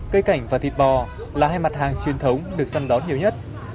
cây cảnh và thịt bò là hai mặt hàng truyền thống được săn đón nhiều nhất